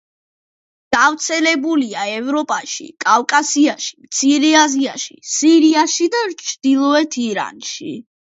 გავრცელებულია ევროპაში, კავკასიაში, მცირე აზიაში, სირიაში და ჩრდილოეთ ირანში.